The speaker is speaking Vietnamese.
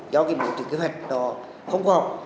do cái biểu trình kế hoạch đó không có học